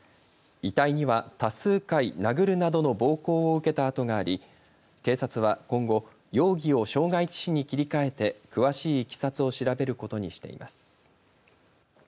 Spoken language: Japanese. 遺体には多数回殴るなどの暴行を受けたあとがあり警察は今後容疑を傷害致死に切り替えて詳しいいきさつを調べることにしています。